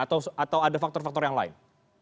atau ada faktor faktor yang lain